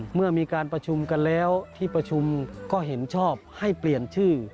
เมื่อมีการประชุมกันแล้วที่ประชุมก็เห็นชอบให้เปลี่ยนชื่อ